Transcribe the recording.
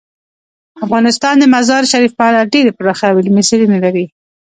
افغانستان د مزارشریف په اړه ډیرې پراخې او علمي څېړنې لري.